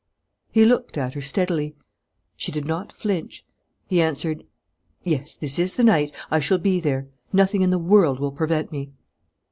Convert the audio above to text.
He looked at her steadily. She did not flinch. He answered: "Yes, this is the night. I shall be there. Nothing in the world will prevent me."